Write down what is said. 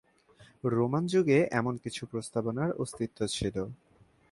Roman যুগে এমন কিছু প্রস্তাবনার অস্তিত্ব ছিল।